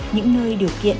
những nơi điều kiện